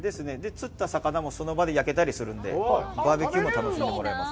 釣った魚もその場で焼けたりするので、バーベキューも楽しんでもらえます。